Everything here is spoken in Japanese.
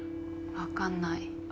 わかんない。